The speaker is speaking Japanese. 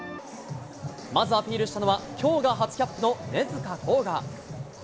まずアピールしたのは、きょうが初キャップの根塚洸雅。